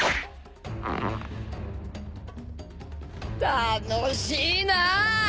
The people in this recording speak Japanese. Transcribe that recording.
楽しいなぁ！